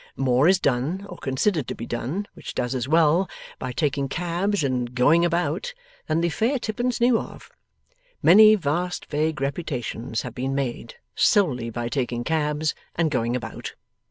More is done, or considered to be done which does as well by taking cabs, and 'going about,' than the fair Tippins knew of. Many vast vague reputations have been made, solely by taking cabs and going about.